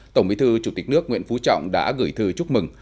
tổng bí thư chủ tịch nước nguyễn phú trọng đã gửi thư chúc mừng